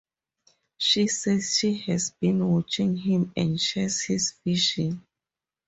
She says she has been watching him and shares his vision.